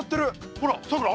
ほらさくら